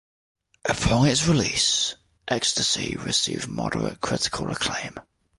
Upon its release "Ecstasy" received moderate critical acclaim.